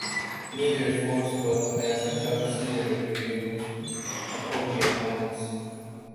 Neither force would advance until the seer revealed appropriate omens.